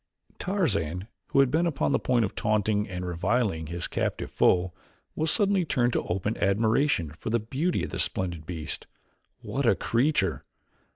Tarzan who had been upon the point of taunting and reviling his captive foe was suddenly turned to open admiration for the beauty of the splendid beast. What a creature!